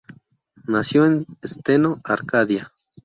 Nació en Steno, Arcadia.